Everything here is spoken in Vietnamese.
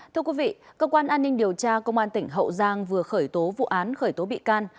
thưa quý vị cơ quan an ninh điều tra công an tỉnh hậu giang vừa khởi tố vụ án khởi tố bị can